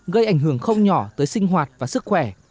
gây ảnh hưởng không nhỏ tới sinh hoạt và sức khỏe